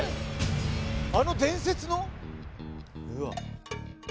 あの伝説の？